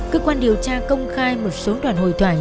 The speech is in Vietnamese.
cơ quan điều tra công khai một số đoàn hồi thoại